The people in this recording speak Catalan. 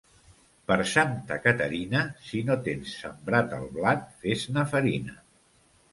Per Santa Caterina, si no tens sembrat el blat, fes-ne farina.